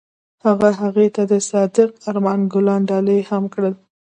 هغه هغې ته د صادق آرمان ګلان ډالۍ هم کړل.